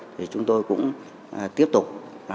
thì chúng tôi cũng tiếp tục